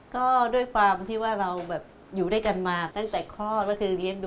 ก็ด้วยความว่าเราอยู่ด้วยกันมาตั้งแต่ครอบ